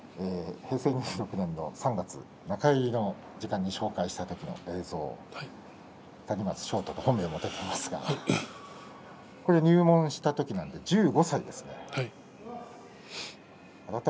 平成２６年３月の中入りの時間に紹介した時の映像谷松将人と本名も出ていますが入門した時１５歳なんですね。